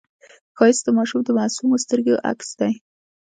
ښایست د ماشوم د معصومو سترګو عکس دی